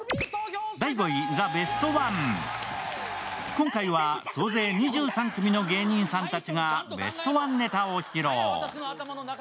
今回は、総勢２３組の芸人さんたちがベストワンネタを披露。